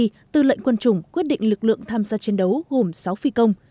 lê văn chi tư lệnh quân chủng quyết định lực lượng tham gia chiến đấu gồm sáu phi công